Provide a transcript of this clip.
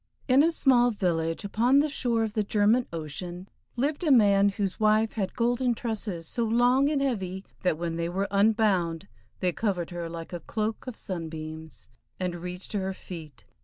In a small village upon the shore of the German Ocean lived a man whose wife had golden tresses so long and heavy that when they were unbound they covered her like a cloak of sunbeams, and reached to her feet.